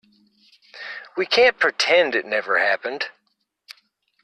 We can't pretend it never happened.